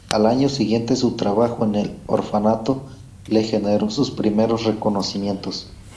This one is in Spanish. Al año siguiente, su trabajo en "El orfanato" le generó sus primeros reconocimientos.